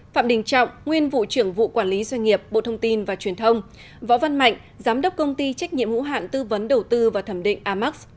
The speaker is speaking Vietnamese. phạm đình trọng nguyên vụ trưởng vụ quản lý doanh nghiệp bộ thông tin và truyền thông võ văn mạnh giám đốc công ty trách nhiệm hữu hạn tư vấn đầu tư và thẩm định amax